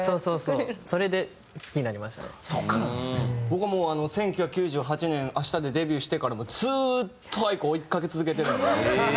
僕はもう１９９８年『あした』でデビューしてからもうずーっとａｉｋｏを追いかけ続けてるんで。